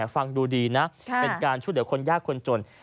ฟังดูดีนะเป็นการช่วยเหลือคนยากคนจน